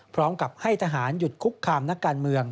พร้อมกับให้ทหารหยุดคุกคามนักการเมือง